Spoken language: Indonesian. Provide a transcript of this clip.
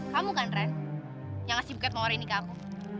kamu kan ren yang ngasih buket mawar ini ke aku